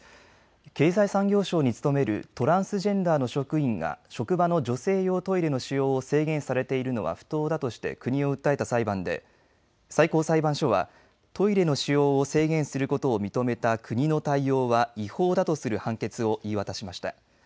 経済産業省に勤めるトランスジェンダーの職員が職場の女性用トイレの使用を制限されているのは不当だとして国を訴えた裁判で最高裁判所はトイレの使用を制限することを認めた国の対応は違法だとする判決を言い渡しました。